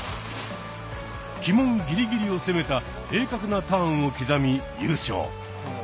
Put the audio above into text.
旗門ギリギリを攻めた鋭角なターンを刻み優勝。